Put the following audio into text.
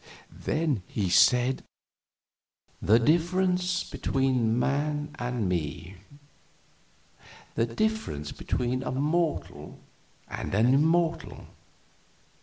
Then he said: "The difference between man and me? The difference between a mortal and an immortal?